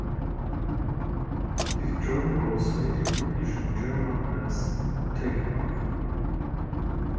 This journal was later published in German as "Tagebuch".